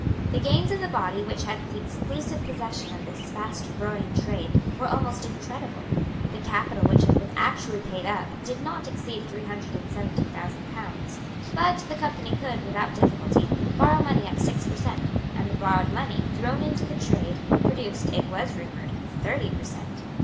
The gains of the body which had the exclusive possession of this fast growing trade were almost incredible. The capital which had been actually paid up did not exceed three hundred and seventy thousand pounds; but the Company could, without difficulty, borrow money at six per cent., and the borrowed money, thrown into the trade, produced, it was rumoured, thirty per cent.